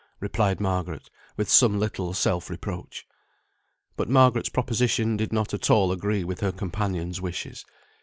replied Margaret, with some little self reproach. But Margaret's proposition did not at all agree with her companion's wishes.